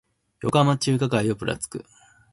横浜中華街をぶらつく